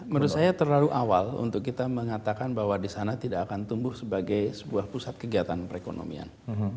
menurut saya terlalu awal untuk kita mengatakan bahwa di sana tidak akan tumbuh sebagai sebuah pusat kegiatan perekonomian